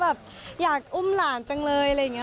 แบบอยากอุ้มหลานจังเลยอะไรอย่างนี้